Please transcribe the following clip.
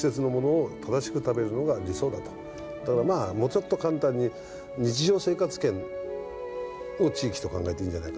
だからまあもうちょっと簡単に日常生活圏を地域と考えていいんじゃないかと私は思ってる。